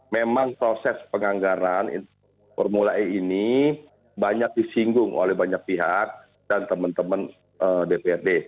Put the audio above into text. memang proses penganggaran formula e ini banyak disinggung oleh banyak pihak dan teman teman dprd